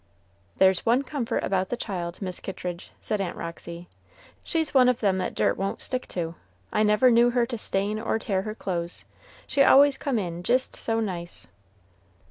"There's one comfort about the child, Miss Kittridge," said Aunt Roxy: "she's one of them that dirt won't stick to. I never knew her to stain or tear her clothes, she always come in jist so nice."